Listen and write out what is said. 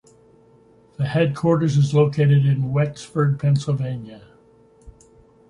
The headquarters is located in Wexford, Pennsylvania.